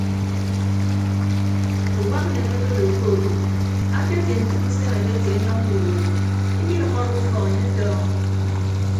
Uwak nneme akedo ke odu aketie ntoro usen abeti ọnyọññọ urua idʌkkọdʌk ufọk anye atọọñọ.